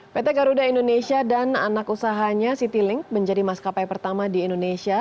pt garuda indonesia dan anak usahanya citylink menjadi maskapai pertama di indonesia